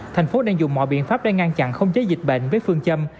thành phố đang dùng mọi biện pháp để ngăn chặn không chế dịch bệnh với phương châm